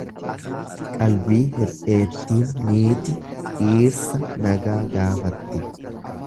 Qalbii hir'eettiin niiti dhiirsa nagaa gaafatti.